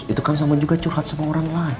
itu kan sama juga curhat sama orang lain